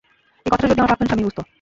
এই কথাটা যদি আমার প্রাক্তন স্বামী বুঝত।